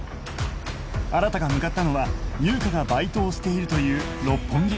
新が向かったのは優香がバイトをしているという六本木